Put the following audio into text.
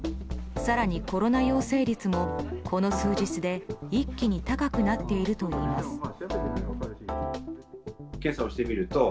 更に、コロナ陽性率もこの数日で一気に高くなっているといいます。